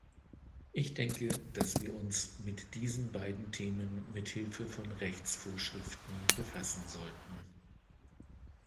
Ich denke, dass wir uns mit diesen beiden Themen mithilfe von Rechtsvorschriften befassen sollten.